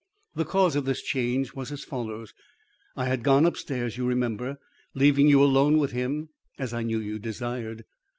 The cause of this change was as follows: I had gone up stairs, you remember, leaving you alone with him as I knew you desired.